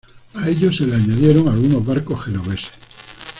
A ellos se les añadieron algunos barcos genoveses.